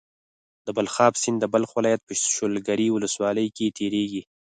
د بلخاب سيند د بلخ ولايت په شولګرې ولسوالۍ کې تيريږي.